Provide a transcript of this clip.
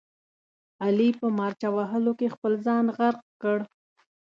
علي په مارچه وهلو کې خپل ځان غرق کړ.